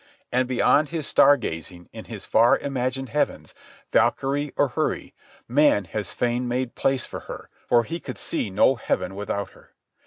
And beyond his star gazing, in his far imagined heavens, Valkyrie or houri, man has fain made place for her, for he could see no heaven without her.